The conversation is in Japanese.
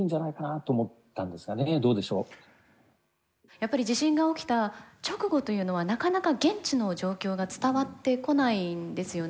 やっぱり地震が起きた直後というのはなかなか現地の状況が伝わってこないんですよね。